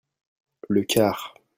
Le quart.